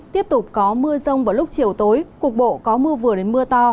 tiếp tục có mưa rông vào lúc chiều tối cục bộ có mưa vừa đến mưa to